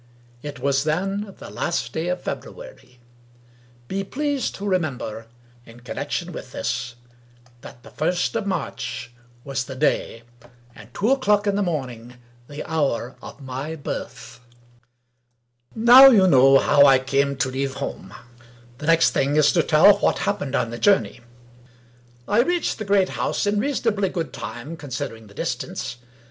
It was then the last day of February. Be pleased to remember, in con nection with this, that the first of March was the day, and two o'clock in the morning the hour of my birth. Now you know how I came to leave home. The next thing to tell is, what happened on the journey. I reached the great house in reasonably good time con sidering the distance.